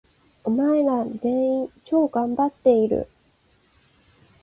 お前ら、全員、超がんばっている！！！